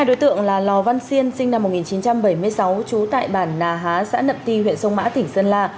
hai đối tượng là lò văn xiên sinh năm một nghìn chín trăm bảy mươi sáu trú tại bản nà há xã nậm ti huyện sông mã tỉnh sơn la